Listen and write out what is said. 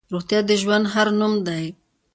روغتیا د ژوند هر نوم دی.